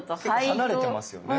結構離れてますよね。